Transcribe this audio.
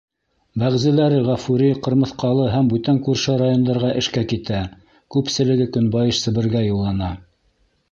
Бәғзеләре Ғафури, Ҡырмыҫҡалы һәм бүтән күрше райондарға эшкә китә, күпселеге Көнбайыш Себергә юллана.